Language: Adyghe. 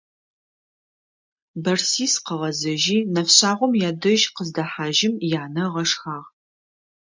Бэрсис къыгъэзэжьи, нэфшъагъом ядэжь къыздэхьажьым янэ ыгъэшхагъ.